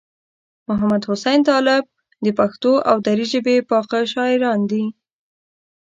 محمدحسین طالب د پښتو او دري ژبې پاخه شاعران دي.